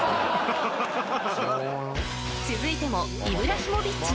［続いても］